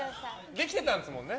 できてたんですもんね。